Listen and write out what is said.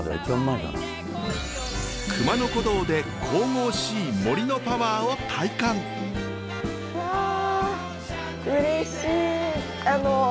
熊野古道で神々しい森のパワーを体感！わうれしい。